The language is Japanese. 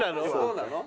そうなの？